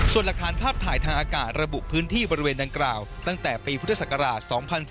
ส่วนหลักฐานภาพถ่ายทางอากาศระบุพื้นที่บริเวณดังกล่าวตั้งแต่ปีพุทธศักราช๒๔